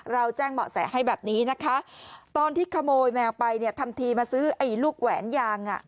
เราแจ้งเหมาะแสให้แบบนี้นะคะตอนที่ขโมยแมวไปเนี่ยทำทีมาซื้อไอ้ลูกแหวนยางอ่ะ